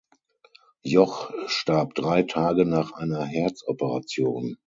Joch starb drei Tage nach einer Herzoperation.